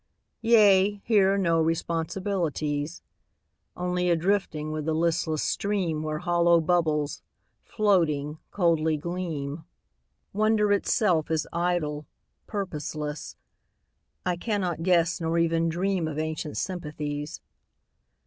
Yea, here are no responsibilities. Only a drifting with the listless stream Where hollow bubbles, floating, coldly gleam. Wonder itself is idle, purposeless; I cannot guess Nor even dream of ancient sympathies.